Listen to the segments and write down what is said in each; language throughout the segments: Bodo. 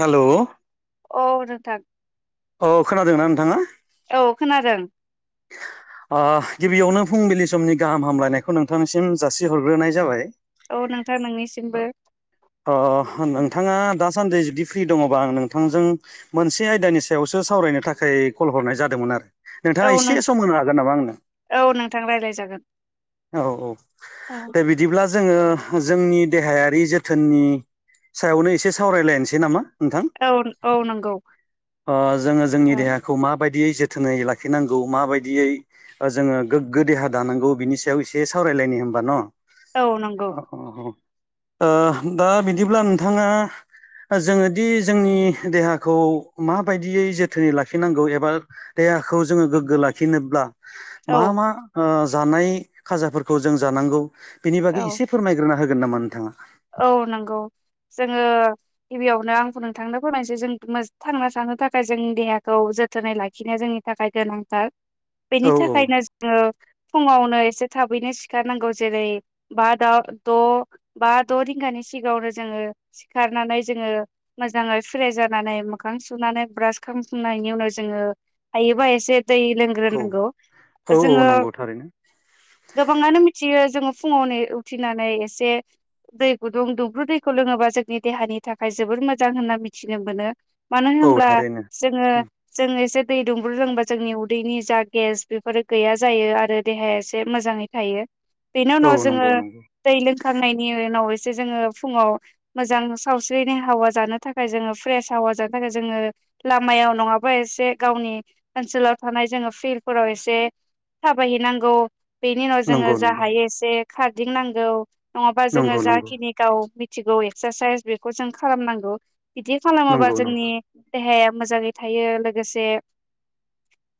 हेलौ औ नोंथां। अ खोनादोंना नोंथाङा? औ खोनादों। ओ गिबियावनो फुंबिलि समनि गाहाम हामलायनायखौ नोंथांनिसिम जासिहरग्रोनाय जाबाय। औ नोंथां नोंनिसिमबो अ नोंथाङा दासान्दै इदि फ्रि दङबा आं नोंथांजों मोनसे आयदानि सायावसो सावरायनो थाखाय कल हरनाय जादोंमोन आरो औ नोंथाङा एसे नों सम होनो हाग औ नोंथां रायज्लाय जागोन औ औ दे औ बिदिब्ला जोङो जोंनि देहायारि जोथोननि सायावनो एसे सावरायलायनोसै नामा नोंथां औ नंगौ ओ जोङो जोंनि औ देहाखौ मा बायदियै जोथोनै लाखिनांगौ माबायदियै ओ जोङो गोग्गो देहा दानांगौ बिनि सायाव एसे सावरायलायनो होनबा न' ओ औ नंगौ अ ह ओ दा बिदिब्ला नोंथाङा जोङोदि जोंनि देहाखौ माबायदियै जोथोनै लाखिनांगौ एबा दे देहाखौ जोङो गोग्गो लाखिनोब्ला औ मा मा जानाय खाजाफोरखौ जों जानांगौ बिनि बागै औ एसे फोरमायग्रोना होगोन नामा नोंथाङा औ नंगौ जोङो गिबियावनो आंखौ नोंथांनो फोरमायसै जों थांना थानो थाखाय जोंनि देहाखौ जोथोनै लाखिनाया जोंनि थाखाय गोनांथार औ बेनि औ थाखायनो जोङो फुङावनो से थाबैनो सिखारनांगौ जेरै बा दा द' बा द' रिंगानि सिगाङावनो जोङो सिखारनानै जोङो मोजाङै फ्रेज जानानै मोखां सुना ब्रास खालामनायनि उनाव जोङो हायोबा एसे दै औ लोंग्रोनांगौ औ औ जोङो नंगौ थारैनो गोबाङानो मिथियो जोङो फुङावनो उथिनानै एसे दै गुदुं दुंब्रु दैखौ लोङोबा जोंनि देहानि थाखाय जोबोर मोजां होनना मिथिनो मोनो मानो औ होनब्ला थारैनो जोङो जों एसे दै दुंब्रु रोंबला जोंनि उदैनि जा गेस बेफोरो गैया जायो आरो देहाया एसे मोजाङै थायो बेनि औ उनाव जोङो नंगौ नंगौ दै लोंखांनायनि उनाव एसे जोङो फुङाव मोजां सावस्रिनि हावा जानो थाखाय जोङो फ्रेस हावा जानो थाखाय जों ङो लामायाव नङाबा एसे गावनि ओनसोलाव थानाय जोङो फिल्डफोराव एसे थाबायहैनांगौ बेनि उनाव जोङो नंगौ जा नंगौ हायो एसे खारदिंनांगौ नङाबा जोङो नंगौ नंगौ जाखिनि गाव थिगौ एक्सारसाइस बेखौ जों खालामनांगौ बिदि खालामोबा नंगौ जोंनि नंगौ देहाया मोजाङै थायो लोगोसे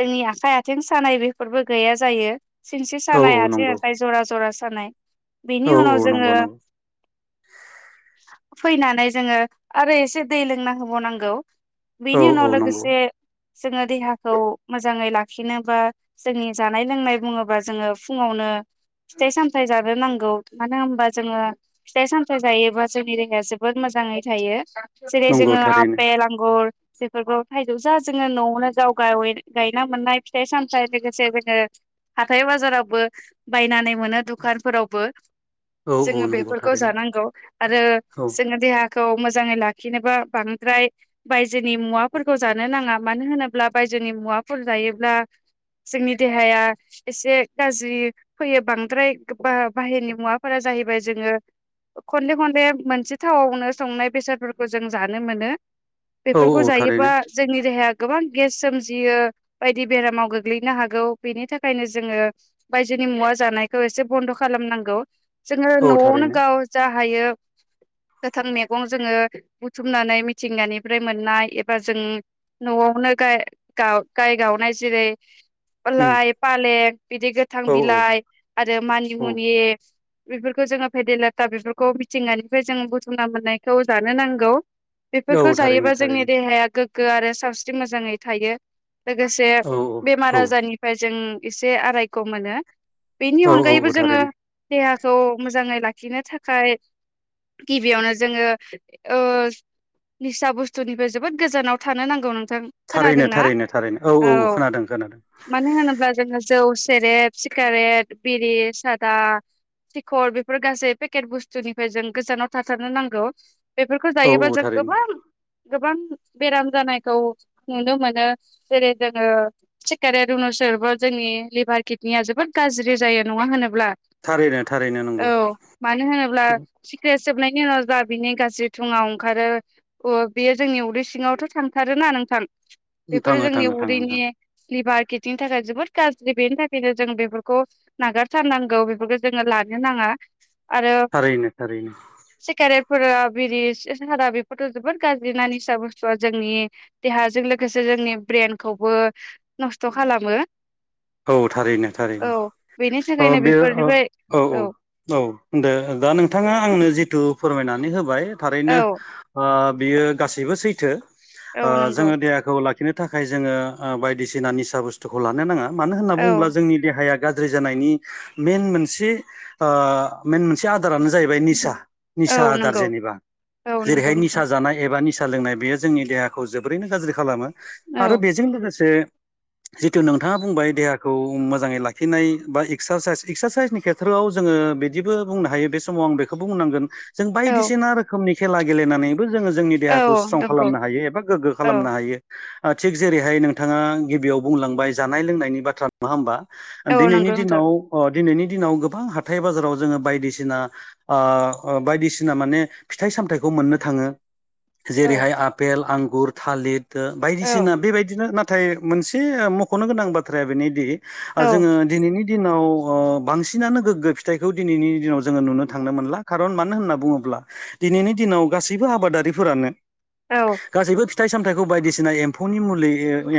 जोंनि आखाइ आथिं सानाय बेफोरबो गैया जायो सिंस्रि औ सानाय औ आथिं नंगौ आखाय जरा जरा सानाय औ बेनि औ उनाव जों नंगौ नंगौ फैनानै जोङो आरो एसे दै लोंना होबावनांगौ औ बिनि औ उनाव नंगौ लोगोसे जोङो देहाखौ मोजाङै लाखिनोबा जोंनि जानाय लोंनाय बुङोबा जोङो फुङावनो ङो फिथाइ सामथाय जानो नांगौ मानो होनबा जोङो फिथाइ सामथाइ जायोबा जोंनि देहाया जोबोद मोजाङै थायो जेरै नंगौ जोङो थारैनो आपेल आंगुर बेफोरखौ थाइजौ जा जोङो न'आवनो गाव गावे गायना मोननाय फिथाइ सामथायाइ लोगोसे जोङो हाथाय बाजारावबो बायनानै मोनो दुखानफोरावबो औ औ जोङो नंगौ बेफोरखौ थारैनो जानांगौ आरो औ जोङो देहा खौ मोजाङै लाखिनोबा बांद्राय बायजोनि मुवाफोरखौ जानो नाङा मानो होनोब्ला बायजो जोंनि मुवाफोर जायोब्ला जोंनि देहाया एसे गाज्रि फैयो बांद्राय बा बाहेरनि मुवाफोरा जाहैबाय जोङो खनले खनले मोनसे थावआवनो संनाय बेसादफोरखौ जों जानो मोनो औ बेफोरखौ थारैनो जायोबा जोंनि देहाया गोबां गेस सोमजियो बायदि बेरामाव गोग्लैनो हागौ बेनि थाखायनो जोङो बायजो नि मुवा जानायखौ एसे बन्द' खालामनांगौ जोङो औ न'आवनो थारैनो गाव जा हायो गोथां मैगं जोङो बुथुमनानै मिथिंगानिफ्राय मोननाय एबा जों न'आवनो गाय गाय गावनाय जेरै उम लाइ फालें बिदि गोथां औ बिलाइ आरो औ मानिमुनि बेफोरखौ जोङो फेदलाथा बेफोरखौ मिथिंगानिफ्राय जोङ बुथुमना मोननायखौ जानो नांगौ। औ बेफोरखौ थारैनो जायोबा जोंनि थारैनो देहाया गोग्गो आरो सावस्रि मोजाङै थायो। लोगोसे औ बेमार औ आजारनिफ्राय जों एसे आरायख'' मोनो। बेनि औ औ अनगायैबो जोङो थारैनो देहाखौ मोजाङै लाखिनो थाखाय गिबियावनो जोङो ओ निसा बुस्थुनिफ्राय जोबोद गोजानाव थानो नांगौ नों थारैनो खोनादोंना थारैनो थारैनो औ खोनादों खोनादों मानो होनोब्ला जोङो जौ सि सेरेप सिकारेट बिरि सा दा सिखर बेफोर गासै पेकेट बुस्थुनिफ्राय जों गोजानाव थाथारनो नांगौ। बेफोरखौ औ जायोबा औ जों थारैनो गोबां गोबां बेराम जानायखौ नुनो मोनो जेरै जोङो सिखारेत [inaudible] जोंनि लिभार किडनिया जोबोद गाज्रि जायो नङा होनोब्ला औ थारैनो थारैनो नंगौ मानो होनोब्ला सिक्रे सोबनायनि उनाव जा बिनि गाज्रि मुङा ओंखारो बियो जोंनि उदै सिङावथ' थांथारोना नोंथां। बेफोरो थाङो जोंनि थाङो थाङो नोंथां उदैनि लिभार किटनिनि थाखाय जोबोद गाज्रि बेनि थाखायनो जों बेफोरखौ नागारथारनांगौ। जोङो लानो नाङा आरो थारैनो थारैनो सिगारेट फोरा बिरि सारा बेफोरथ' जोबोर गाज्रि ना निसा बुस्थुआ जोंनि देहाजों लोगोसे जोंनि ब्रेनखौबो नस्थ' खालामो। औ थारैनो औ थारैनो बेनि औ थाखायनो बे औ बेफोरनिफ्राय औ औ दे दा नोंथाङा आंनो जिथु फोरमायनानै होबाय थारैनो औ ओ बियो गासैबो सैथो औ ओ नंगौ जोङो देहाखौ ला खिनो थाखाय जोङो बायदिसिना निसा बुस्थुखौ लानो नाङा मानो होनना औ बुङोब्ला जोंनि देहाया गाज्रि जानायनि मेन मोनसे ओ मेन मोनसे आदारानो जाहैबाय निसा निसा औ आदार नंगौ जेनेबा औ नंगौ जेरैहाय निसा नोंथां जानाय एबा नि निसा लोंनाय बेयो जोंनि देहाखौ जोबोरैनो गाज्रि खालामो औ आरो बेजों लोगोसे जिथु नोंथाङा बुंबाय देहाखौ मोजाङै लाखिनाय बा एक्सारसाइस एक्सारसाइसनि खेथ्रआव जोङो बिदिबो बुं हायो बे समाव आं बेखौबो बुंनांगोन जों औ बायदिसिना रोखोमनि खेला गेलेनानै जोङो जोंनि औ देहाखौ स्ट्रं नंगौ खालामनो हायो एबा गोग्गो औ खालामनो हायो। ओ थिग जेरैहाय नोंथाङा गिबियाव बुंलांबाय जानाय लोंनायनि बाथ्रा नङा होमबा औ दिनैनि नंगौ नोंथां दिनाव ओ दिनैनि दिनाव गोबां हाथाय बाजाराव जोङो बायदिसिना ओ बायदिसिना माने फिथाइ सामथथायखौ मोननो थाङो। औ जेरैहाय आफेल आंगुर थालिर औ बायदिसिना बेबायदिनो ना थाय मोनसे मख'नो गोनां बाथ्राया बेनोदि औ जोङो दिनैनि दिनाव ओ बांसिनानो गोग्गो फिथाइखौ दिनैनि दिनाव जोङो नुनो थांनो मोनला खारन मानो होनना बुङोब्ला दिनैनि दिनाव गासैबो आबादारिफोरानो गासैबो फिथाइ सामथाइखौ बायदिसिना एम्फौनि मुलि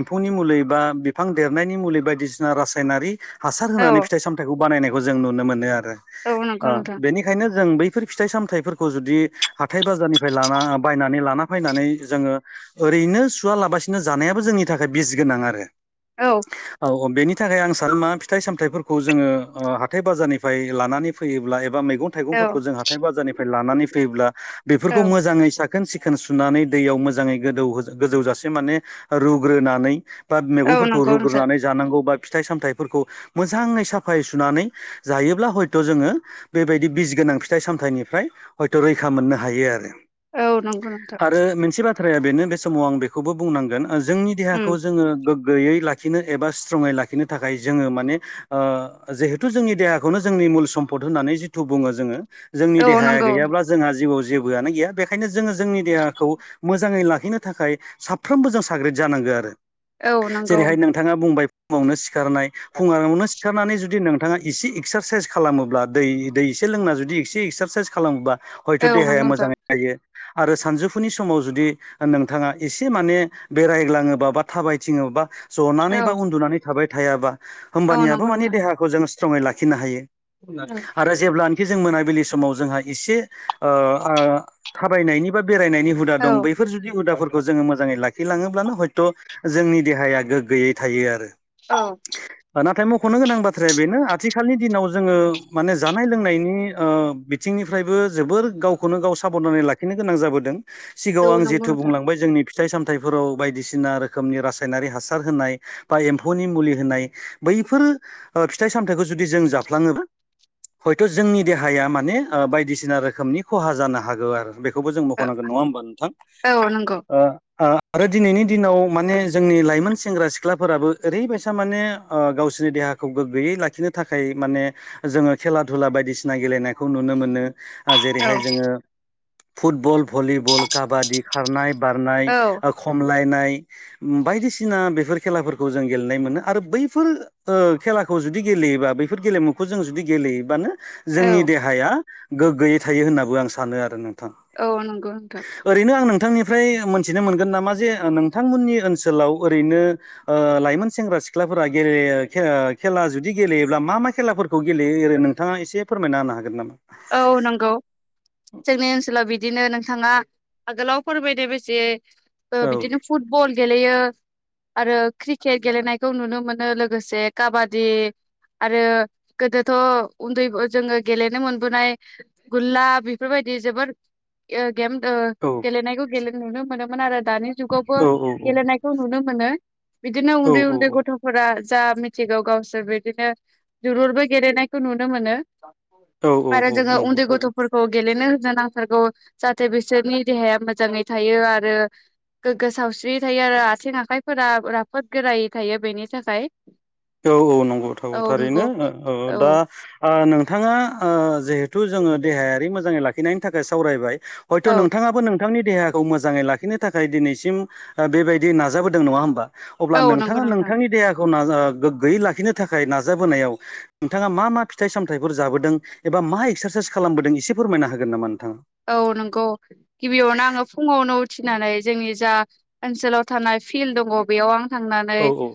एम्फौनि मुलि बा बि बिफां देरनायनि मुलि बायदिसिना रासायनारि हासार औ होनानै औ फिथाइ सामथायाइखौ बानायनायखौ जों नुनो मोनो आरो औ नंगौ ओ नोंथां बेनिखायनो जों बै फोर फिथाइ सामथाइफोरखौ जुदि हाथाय बाजारनिफ्राय लाना बायनानै लाना फैनानै जोङो ओ रैनो सुवा लाबसिनो जानायाबो जोंनि थाखाय बिस गोनां आरो औ औ बेनि नि थाखाय आं सानो मा फिथाइ सामथथायफोरखौ जोङो हाथाय बाजारनिफ्राय लानानै फैयोब्ला एबा मै आं औ थाइगंफोरखौ जों हा बाजारनिफ्राय लानानै औ फैफोरखौ मोजाङै सा खोन सिखोन सुनानै दैयाव मोजाङै गोदौ गोजौ जासे माने रुग्रोनानै बाद- औ मैगंफोरखौ नंगौ नोंथां रुग्रोनानै जानां गौ बा फिथाय सामथाय फोरखौ मोजाङै साफायै सुनानै जायोब्ला हयथ जोङो बेबादिनो बिस गोनां फिथाइ सामथाइनिफ्राय हयथ' रैखा मोननो हायो आरो। औ नंगौ नोंथां। आरो मोनसे बाथ्राया बेनो बे समाव आं बेखौबो बुंनांगोन जोंनि उम देहाखौ जोङो गोग यै लाखिनो एबा स्ट्रंयै लाखिनो थाखाय जोङो मान जिहेथु जोंनि देहाखौनो जोंनि सम्पद होननानै जिथु बुङो जोङो जोंनि औ देहाया नंगौ गैयाबा जोंहा जिउवाव जेबोआनो गैया बेखायनो जोङो जोंनि देहाखौ मोजाङै लाखिनो थाखाय साफ्रोमबो जों साग्रिद जानांगोन। औ नंगौ जेरैहाय नोंथाङा बुंबाय फुङावनो सिखारनाय फुङावनो सिखारनानै जुदि नों थाङा एसे एक्सारसाइस खालामोब्ला दै दै एसे लोंना जुदि एसे एक्सारसाइस खालामोब्ला हयथ' औ नंगौ देहाया नोंथां मोजाङै थायो। आरो सानजौफुनि समाव जुदि ओ नोंथाङा एसे माने बेरायग्लाङोबा बा थाबाय थिङोबा जनानै औ बा उन्दुनानै थाबाय थायाबा होमबा औ नियाबो नंगौ मानि नोंथां देहाखौ जों लाखिनो हायो। औ आरो जेब्ला जों मोनाबिलि समाव जोंहा एसे ओ ओ थाबायनायनि बा बेरायनायनि हुदा औ दं बैफोर जुदि हुदाफोरखौ जोङो मोजाङै लाखिलाङोब्लानो हयथ' जोंनि देहाया गोग्गोयै थायो आरो। औ नाथाय मख'नो गोनां बाथ्राया बेनो आथिखालनि दिनाव जोङो माने जानाय लोंनायनि ओ बिथिंनिफ्रायबो जोबोर गावखौनो गाव साबधानै लाखिनो गोनां जाबोदों। सिगाङाव औ आं नंगौ जिहेथु नोंथां बुंलांबाय जोंनि फिथाइ सामथाइफोराव बायदिसिना रो खोमनि रासायनारि हासार होनाय बा एम्फौनि मुलि होनाय बैफोर ओ फिथाइ सामथाइखौ जों जुदि जों जाफ्लाङोबा हयथ' जोंनि देहाया माने ओ बायदिसिना रोखोमनि खहा जानो हागौ आरो बे खौबो जों मख'नांगोन नङा होमबा नोंथां? औ नंगौ ओ ओ आरो दिनैनि दिनाव माने जोंनि लाइमोन सेंग्रा सिख्लाफोराबो ओरैबायसा माने ओ गावसोरनि देहाखौ गोग्गोयै लाखिनो थाखाय माने जोङो खेला धुला बायदिसिना गेलेनायखौ नुनो मोनो। ओ औ जेरैहाय जोङो फुटबल भलिबल, काबादि, खारनाय, बारनाय औ ओ खमलायनाय। ओ बायदिसिना बेफोर खेलाफोरखौ जों गेलेनाय मोनो आरो बैफोर ओ खेलाखौ जुदि गेले योबा बेफोर गेलेमुखौ जों जुदि गेलेयोब्लानो जोंनि देहाया गोग्गोयै थायो होननाबो आं सानो आरो नो थां। औ नंगौ नोंथां ओरैनो आं नोंथांनिफ्राय मोनथिनो मोनगोन नामा जे नोंथांमोननि ओनसोलाव ओरैनो ओ लाइमोन सेंग्रा सि ख्लाफोरा गेरेयो खेरा खेला जुदि गेलेयोब्ला मा मा खेलाफोरखौ गेलेयो ओरै नोंथाङा एसे फोरमायना होनो हागोन नामा? औ नंगौ जोंनि ओनसोलाव बिदिनो नोंथाङा आगोलाव फोरमायनाय बेसे औ बिदिनो फुटबल गेलेयो आरो क्रिकेट गेलेनायखौ नुनो मोनो लोगोसे काबादि आरो गोदोथ' उन्दै जोङो गेलेनो मोन बोनाय गुल्ला बेफोरबायदि जोबोद ओ गेम ओ औ गेलेनायखौ गेल नुनो मोनोमोन आरो दानि जुगावबो औ औ गेलेनायखौ नुनो मोनो। बिदिनो औ उन्दै औ उन्दै औ गथ'फोरा जा मिथिगौ गावसोर बे बिदिनो जोलुरबो गेलेनायखौ नुनो मोनो। औ आरो औ जोङो नंगौ उन्दै थारैनो गथ'फोरखौ गेलेनो नांथारगौ जाहाथे बिसोरनि देहाया मोजाङै थायो आरो गोग्गो सावस्रि थायो आरो आथिं आखाइफोरा राफोद गोरायै थायो बेनि थाखाय। औ औ नंगौथौ औ थारैनो नंगौ औ दा ओ नोंथाङा ओ जिहे थु जोङो देहायारि मोजाङै लाखिनायनि थाखाय सावरायबाय। हयथ' औ नोंथाङाबो नोंथांनि देहाखौ मोजाङै लाखिनो थाखाय दिनैसिम बेबायदि नाजाबोदों नङा होमबा अब्ला औ नंगौ नोंथाङा नोंथां। नोंथांनि देहाखौ ना ओ गोग्गोयै लाखिनो थाखाय नाजाबोनायाव नोंथाङा मा मा फिथाइ-सामथायफोर जाबोदों एबा मा एक्सारसाइस साइस खालामबोदों एसे फोरमायनो हागोन नामा? नोंथाङा औ नंगौ गिबियावनो आङो फुङावनो उ थिनानै जोंनि जा ओनसोलाव थानाय फिल्ड दङ बेयाव आं थांनानै औ औ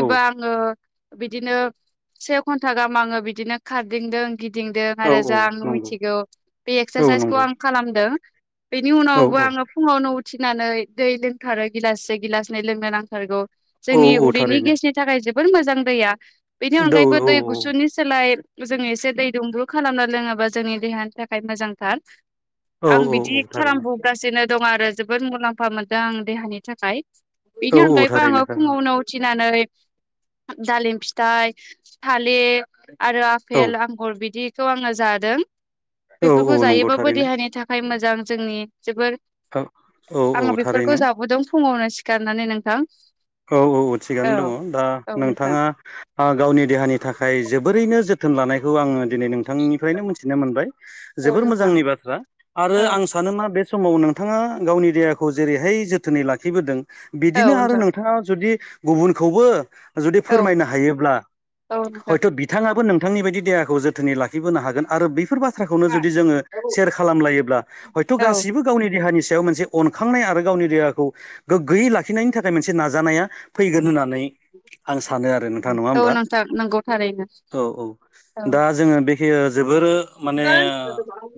औ आङो बिदिनो से घन्टा गाहाम आङो बिदिनो खारदिंदों। गिदिंदों औ आरो औ जा आं नंगौ मिथिगौ बे औ एक्सारसाइस नंगौ खालामदों बेनि औ उनावबो औ आङो फुङावनो उ थिनानै दै लोंथारो गिलाससे गिलासनै लोंनो नांथारगौ। औ जोंनि औ उदैनि थारैनो गेसनि थाखाय जोबोर मोजां दैया। बेनि औ अनगायैबो औ दै औ गुसुनि सोलाय जोङो एसे दै दुंब्रु खालामना लोङोबा जोंनि देहानि थाखाय मोजांथार। औ आं बिदि औ थारैनो खालामबोगासिनो दं आरो जोबोद मुलाम्फा मोनदों आं देहानि थाखाय। औ बेनि औ अनगायैबो आङो थारैनो थारैनो फुङावनो उथिनानै दालिम फिथाइ, थालिर आरो औ आफेल आंगुर बिदि थ' आङो जादों। औ बेफोरखौ औ नंगौ। जायोबाबो थारैनो देहानि थाखाय मोजां जोंनि जोबोर औ औ [inaudible] औ आङो बेफोरखौ थारैनो जाबोदों। फुङावनो सिखारनानै नोंथां। औ औ औ थिगानो दङ दा औ नोंथां नोंथाङा आ गावनि देहानि थाखाय जोबोरैनो जोथोन लानाय दिनै नोंथांनिफ्रायनो मिथिनो मोनबाय। औ जोबोर नोंथां मोजांनि बाथ्रा आरो औ आं सानो मा बे समाव नोंथाङा गावनि देहाखौ जेरैहाय जोथोनै लाखिबोदों औ बिदिनो आरो नोंथां नोंथ जुदि गुबुनखौबो जुदि औ फोरमायनो हायोब्ला औ नोंथां हयथ' बिथाङाबो नों नोंथांनि बायदि देहाखौ जोथोनै लाखिबोनो हागोन आरो बेफोर बाथ थ्राखौनो जुदि जोङो सेयार खालामायोब्ला हयथ' औ गासिबो गावनि देहानि सायाव मोनसे अनखांनाय आरो गावनि देहाखौ गोग्गोयै लाखिनायनि थाखाय मोनसे नाजानाया फैगोन होननानै नै आं सानो आरो। नोंथां नङा औ होमबा? नोंथां नंगौ थारैनो औ औ औ दा जोङो बे जोबोर माने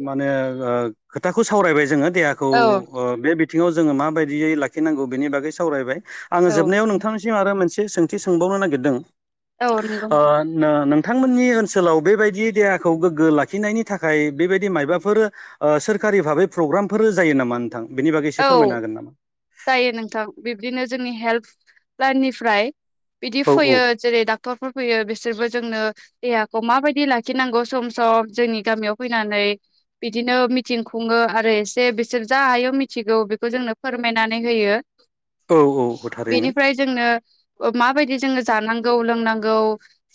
माने ओ खोथाखौ सावरायबाय जोङो देहाखौ औ ओ बे बिथिङाव जोङो माबायदियै लाखिनांगौ बेनि बागै सावरायबाय। आङो औ जोबनायाव नोंथांनिसिम आरो मोनसे सोंथि सोंबावनो नागिरदों औ नंगौ ओ नोंथां नो नों थांमोननि ओनसोलाव बेबायदि देहाखौ गोग्गो लाखिनायनि थाखाय बेबायदि मायाबाफोर ओ सोर कारि भाबै प्रग्रामफोर जायो नामा? बागै एसे औ फोरमायनो हागोन नामा? जायो नोंथां बिब्दिनो जोंनि हेल्प लाइननिफ्राय बिदि औ फैयो जेरै डाक्टरफोर फैयो बिसोरबो जोंनो देहाखौ माबायदि लाखिनांगौ सम सम जोंनि गामियाव फैनानै बिदिनो मिथिं खुङो आरो एसे बिसोर जा हायो मि मिथिगौ बेखौ जोंनो फोरमायनानै होयो। औ औ थारैनो बेनिफ्राय जोंनो माबायदि जोङो जानांगौ लोंनांगौ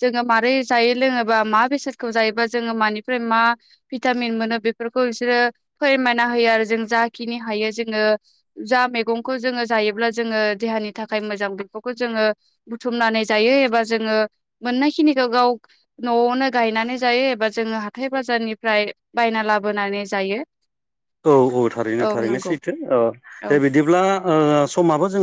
जोङो मारै जायै लोङोबा मा बेसादखौ जायोबा जों जोङो मानिफ्राय मा भिटामिन मोनो बेफोरखौ बिसोरो फोरमायना होयो आरो। जों जाखिनि हायो जोङो जा मैगंखौ जोङो जायोब्ला जोङो देहानि थाखाय मोजां बेफोरखौ जोङो बुथुमनानै जायो एबा जोङो मोननाय खिनिखौ गाव न'आवनो गायनानै जायो। जोङो हाथाय बाजारनिफ्राय बायना लाबोनानै जायो। औ औ थारैनो थारैनो सैथो। औ औ दे बिदिब्ला समाबो जोंहा